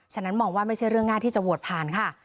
ฉะนั้นมองว่าไม่ใช่เรื่องง่ายที่จะโหวตผ่านค่ะ